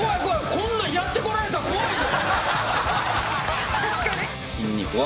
こんなんやってこられたら怖いで。